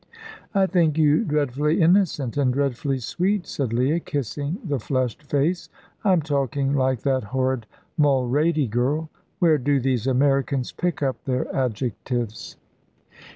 "I think you dreadfully innocent, and dreadfully sweet," said Leah, kissing the flushed face. "I'm talking like that horrid Mulrady girl. Where do these Americans pick up their adjectives?"